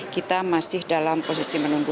kita masih dalam posisi menunggu